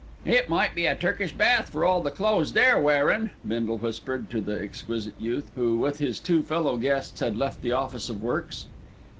"It might be a Turkish bath for all the clothes they're wearin'," Bindle whispered to the exquisite youth, who with his two fellow guests had left the Office of Works.